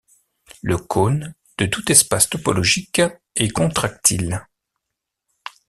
Le cône de tout espace topologique est contractile.